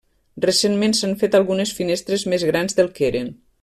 Recentment s'han fet algunes finestres més grans del que eren.